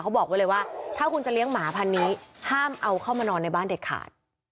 บอกไว้เลยว่าถ้าคุณจะเลี้ยงหมาพันนี้ห้ามเอาเข้ามานอนในบ้านเด็ดขาด